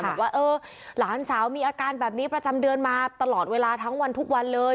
บอกว่าเออหลานสาวมีอาการแบบนี้ประจำเดือนมาตลอดเวลาทั้งวันทุกวันเลย